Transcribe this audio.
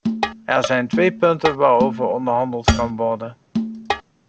Er zijn twee punten waarover onderhandeld kan worden.